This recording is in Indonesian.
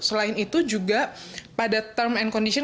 selain itu juga pada term and condition